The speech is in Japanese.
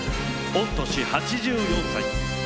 御年８４歳。